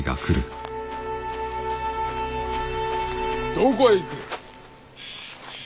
どこへ行く。